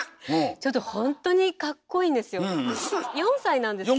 ちょっとほんとにかっこいいんですよ。